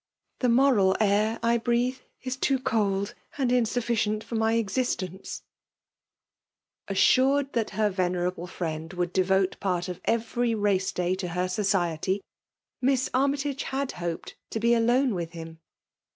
The moral air I breathe is too coFd and insdT 'fioient for my existence " Assured that her venerable friend would 'devote part of every race day to her society. Miss Armytage had hoped to be alone wifli him.